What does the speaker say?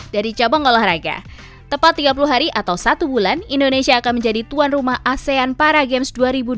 dari cabang olahraga tepat tiga puluh hari atau satu bulan indonesia akan menjadi tuan rumah asean para games dua ribu dua puluh